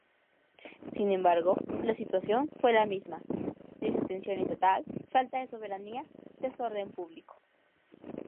Sin embargo la situación fue la misma: desatención estatal, falta de soberanía, desorden público.